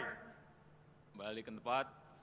kembali ke tempat